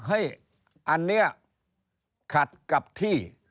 เฮ้ยอันนี้คัดกับที่